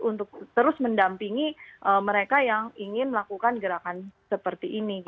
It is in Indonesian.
untuk terus mendampingi mereka yang ingin melakukan gerakan seperti ini